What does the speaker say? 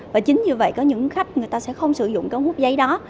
và chính như vậy có những khách người ta sẽ không sử dụng ống hút giấy đó